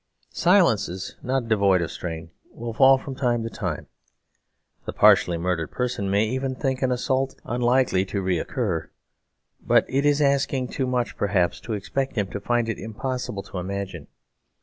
Silences, not devoid of strain, will fall from time to time. The partially murdered person may even think an assault unlikely to recur; but it is asking too much, perhaps, to expect him to find it impossible to imagine.